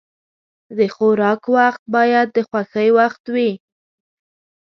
د خوراک وخت باید د خوښۍ وخت وي.